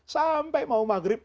sampai mau maghrib